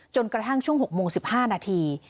กระทั่งช่วง๖โมง๑๕นาที